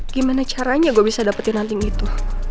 gimana caranya gua bisa dapetin anting itu